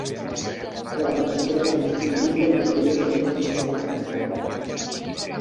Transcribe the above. L'adaptació va ser distribuïda posteriorment en format casset.